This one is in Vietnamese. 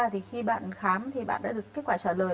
thì khi bạn khám thì bạn đã được kết quả trả lời